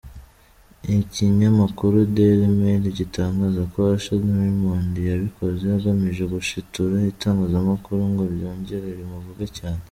Ikinyamakuru Dailymail gitangaza ko Usher Raymond yabikoze agamije gushitura itangazamakuru ngo ryongere rimuvuge cyane.